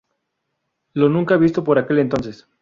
Lo nunca visto por aquel entonces.